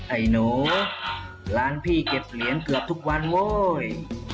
ไอ้หนูร้านพี่เก็บเหรียญเกือบทุกวันโว้ย